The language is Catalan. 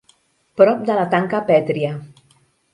Prop de la tanca pètria.